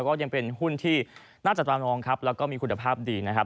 ก็ยังเป็นหุ้นที่น่าจับตารองครับแล้วก็มีคุณภาพดีนะครับ